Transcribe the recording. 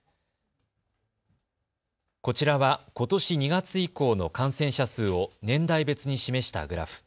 こちらはことし２月以降の感染者数を年代別に示したグラフ。